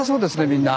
みんな。